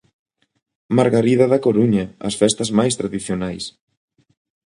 Margarida da Coruña, as festas máis tradicionais.